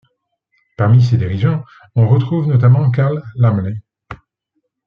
Parmi ses dirigeants, on retrouve notamment Carl Laemmle.